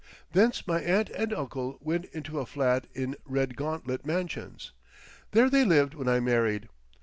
Thence my aunt and uncle went into a flat in Redgauntlet Mansions. There they lived when I married.